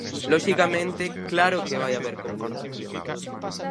Loxicamente, claro que vai haber confrontación.